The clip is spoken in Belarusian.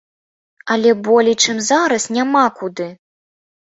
Але болей, чым зараз, няма куды.